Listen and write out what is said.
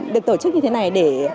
được tổ chức như thế này để